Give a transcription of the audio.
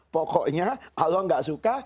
pokoknya allah nggak suka